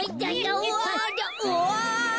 うわ。